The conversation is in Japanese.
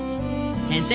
先生